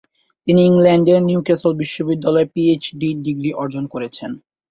তিনি ইংল্যান্ডের নিউক্যাসল বিশ্ববিদ্যালয়ে পিএইচডি ডিগ্রি অর্জন করেছেন।